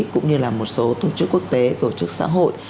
cũng như là một số tổ chức quốc tế tổ chức xã hội